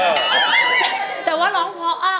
เพื่อจะไปชิงรางวัลเงินล้าน